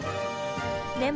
でも。